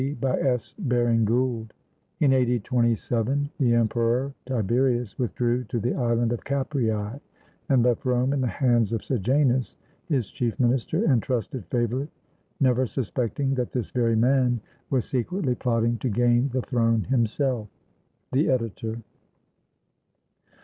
D.] BY S. BARING GOULD [In a.d. 27, the Emperor Tiberius withdrew to the island of Capreae, and left Rome in the hands of Sejanus, his chief minister and trusted favorite, never suspecting that this very man was secretly plotting to gain the throne himself. The Editor.